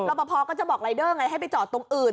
ปภก็จะบอกรายเดอร์ไงให้ไปจอดตรงอื่น